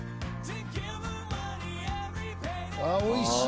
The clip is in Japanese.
おいしい。